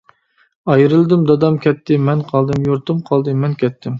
ئايرىلدىم، دادام كەتتى مەن قالدىم، يۇرتۇم قالدى مەن كەتتىم.